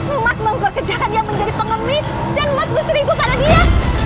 lu mas menggore kejahatannya menjadi pengemis dan mas berseringgup pada dia